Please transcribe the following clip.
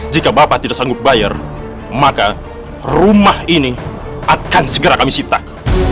jika bapak tidak sanggup bayar maka rumah ini akan segera kami sitak